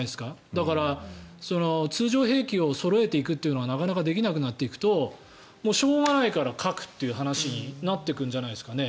だから、通常兵器をそろえていくということがなかなかできなくなっていくとしょうがないから核という話になっていくんじゃないですかね。